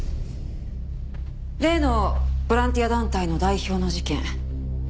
例のボランティア団体の代表の事件